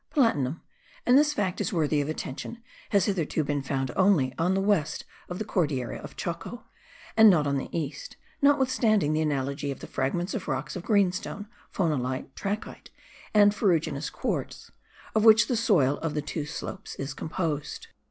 Platinum (and this fact is worthy of attention) has hitherto been found only on the west of the Cordillera of Choco, and not on the east, notwithstanding the analogy of the fragments of rocks of greenstone, phonolite, trachyte, and ferruginous quartz, of which the soil of the two slopes is composed.